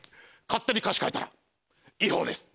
勝手に歌詞変えたら違法です。